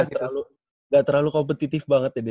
kayaknya gak terlalu kompetitif banget ya dbl ya